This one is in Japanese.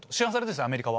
アメリカは。